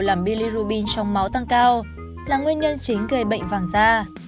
làm bilirubin trong máu tăng cao là nguyên nhân chính gây bệnh vang da